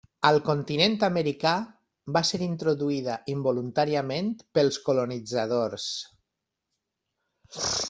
Al continent americà va ser introduïda involuntàriament pels colonitzadors.